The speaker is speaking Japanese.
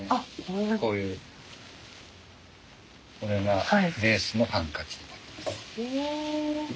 こういうこれがレースのハンカチになります。